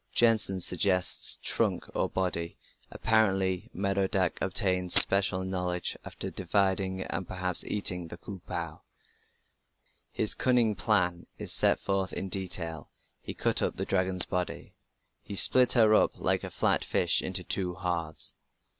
Jensen suggests "trunk, body". Apparently Merodach obtained special knowledge after dividing, and perhaps eating, the "Ku pu". His "cunning plan" is set forth in detail: he cut up the dragon's body: He split her up like a flat fish into two halves.